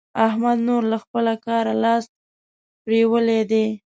احمد نور له خپله کاره لاس پرېولی دی.